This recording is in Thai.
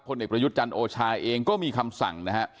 เด็กประยุทธ์จันทร์โอชาเองก็มีคำสั่งนะฮะ